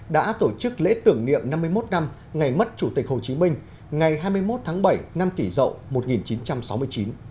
đã tổ chức lễ tưởng niệm năm mươi một năm ngày mất chủ tịch hồ chí minh ngày hai mươi một tháng bảy năm kỷ rậu một nghìn chín trăm sáu mươi chín